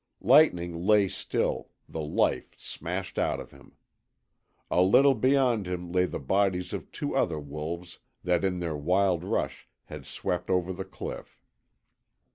Lightning lay still, the life smashed out of him. A little beyond him lay the bodies of two other wolves that in their wild rush had swept over the cliff.